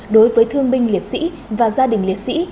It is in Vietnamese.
đối với thương binh liệt sĩ và gia đình liệt sĩ